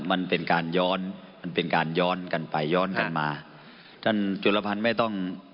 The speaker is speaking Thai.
มันเป็นการย้อนมันเป็นการย้อนกันไปย้อนกันมาท่านจุลพันธ์ไม่ต้อง